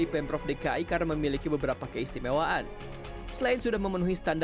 pemprov dki jakarta